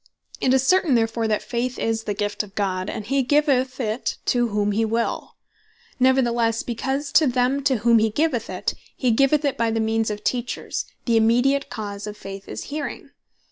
It is certain therefore that Faith is the gift of God, and hee giveth it to whom he will. Neverthelesse, because of them to whom he giveth it, he giveth it by the means of Teachers, the immediate cause of Faith is Hearing.